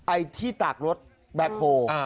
ไอ้ที่ตากรถแบ็คโฮ